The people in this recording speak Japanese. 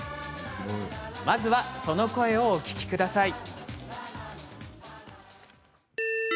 まずは、その声をお聞きください。